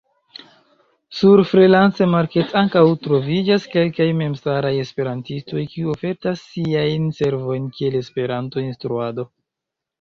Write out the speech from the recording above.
Sur Freelance-Market ankaŭ troviĝas kelkaj memstaraj Esperantistoj kiu ofertas siajn servojn kiel Esperanto-instruado.